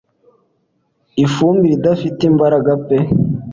Ifumbire idafite imbaraga pe